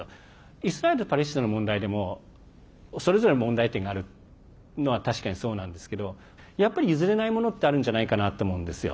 イスラエルパレスチナの問題でもそれぞれ問題点があるのは確かにそうなんですけどやっぱり譲れないものってあるんじゃないかなと思うんですよ。